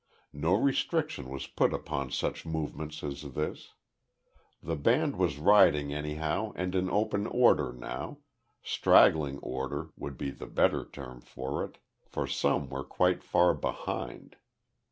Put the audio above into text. No restriction was put upon such movements as this. The band was riding anyhow and in open order now straggling order would be the better term for it, for some were quite far behind.